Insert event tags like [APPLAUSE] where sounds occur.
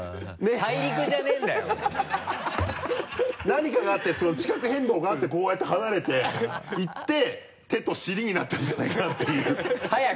何かがあって地殻変動があってこうやって離れていって手と尻になったんじゃないかなっていう [LAUGHS]